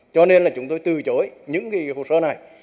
cho nên là chúng tôi từ chối những hồ sơ này